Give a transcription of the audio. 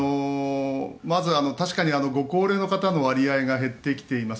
まず、確かにご高齢の方の割合が減ってきています。